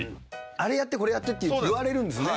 あれやってこれやってって言われるんですね。